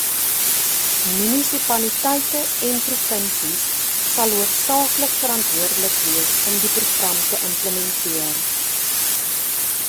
Munisipaliteite en provinsies sal hoofsaaklik verantwoordelik wees om die program te implementer.